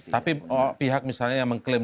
tapi pihak misalnya yang mengklaim